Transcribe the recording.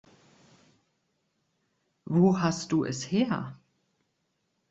Wo hast du es her?